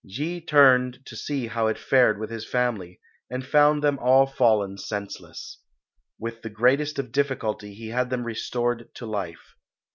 Yee turned to see how it fared with his family, and found them all fallen senseless. With the greatest of difficulty he had them restored to life.